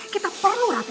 kita perlu rafiq